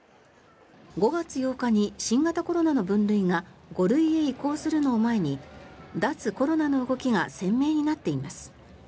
５月８日に新型コロナの分類が５類へ移行するのを前に脱コロナの動きが鮮明になっています。